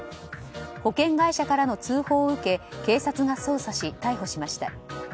保険会社からの通報を受け警察が捜査し逮捕しました。